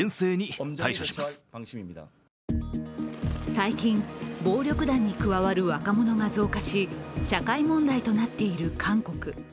最近、暴力団に加わる若者が増加し、社会問題となっている韓国。